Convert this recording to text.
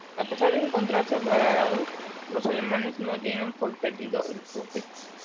A pesar de encontrarse varado, los alemanes no dieron por perdido el buque.